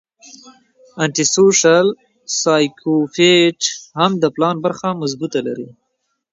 انټي سوشل سايکوپېت هم د پلان برخه مضبوطه لري